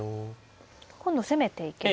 今度攻めていけますね。